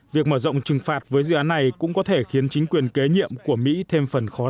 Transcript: việc mở rộng trừng phạt với dự án này cũng có thể khiến chính quyền kế nhiệm của mỹ thêm phần khó